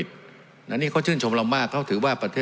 สวัสดีสวัสดีสวัสดี